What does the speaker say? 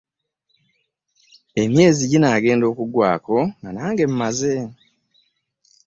Emyezi ginaagenda okuggwaako nga nange mmaze.